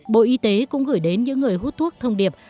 bộ y tế cũng gửi đến những người hút thuốc thông điệp